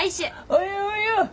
およおよ。